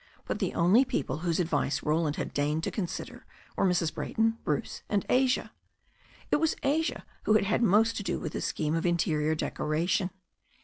But the only people whose advice Roland had deigned to consider were Mrs. Brayton, Bruce, and Asia. It was Asia who had had most to do with the scheme of interior decora tion.